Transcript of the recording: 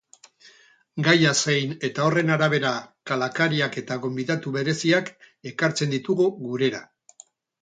Gaia zein eta horren arabera kalakariak eta gonbidatu bereziak ekartzen ditugu gurera.